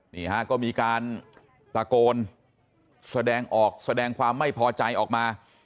นี่ฮะก็มีการตะโกนแสดงออกแสดงความไม่พอใจออกมา